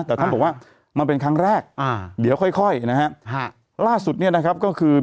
แต่ท่านบอกว่ามันเป็นครั้งแรกเดี๋ยวค่อยนะครับ